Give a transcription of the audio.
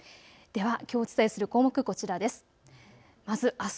ではきょうお伝えする項目、こちらです。